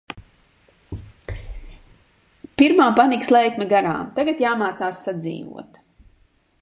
Pirmā panikas lēkme garām. Tagad jāmācās sadzīvot.